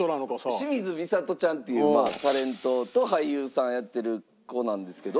清水みさとちゃんというタレントと俳優さんやってる子なんですけど。